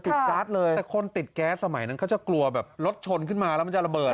การ์ดเลยแต่คนติดแก๊สสมัยนั้นเขาจะกลัวแบบรถชนขึ้นมาแล้วมันจะระเบิด